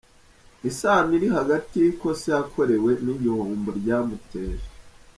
Isano iri hagati y’ikosa yakorewe n’igihombo ryamuteje.